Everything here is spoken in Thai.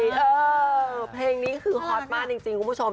เออเพลงนี้คือฮอตมากจริงคุณผู้ชม